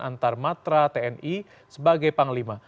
antarmatra tni sebagai panglima